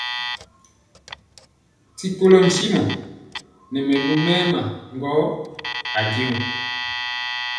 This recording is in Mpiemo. D@Ti kolɔ ntimɔ nɛ mɛlu mɛɛma gɔ ajeŋg.